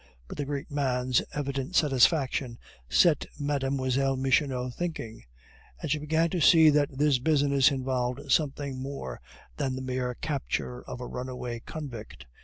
But the great man's evident satisfaction set Mlle. Michonneau thinking; and she began to see that this business involved something more than the mere capture of a runaway convict.